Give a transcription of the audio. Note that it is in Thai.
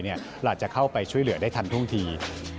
อาจจะเข้าไปช่วยเหลือได้ทันท่วงที